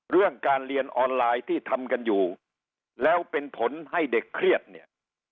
เรื่องการเรียนออนไลน์ที่ทำกันอยู่แล้วเป็นผลให้เด็กเครียดเนี่ย